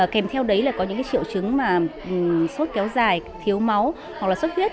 kèm theo đấy là có những triệu chứng mà sốt kéo dài thiếu máu hoặc là sốt huyết